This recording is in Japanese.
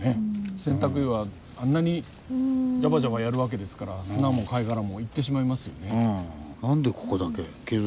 洗濯岩あんなにジャバジャバやるわけですから砂も貝殻も行ってしまいますよね。